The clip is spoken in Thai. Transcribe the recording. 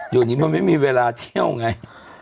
ตอนนี้มันไม่มีเวลาเที่ยวไง